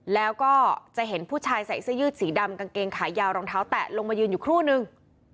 แล้วก็จะเห็นผู้ชายใส่เสื้อยืดสีดำกางเกงขายาวรองเท้าแตะลงมายืนอยู่ครู่นึง